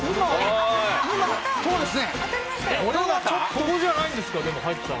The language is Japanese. ここじゃないんですか入ったの。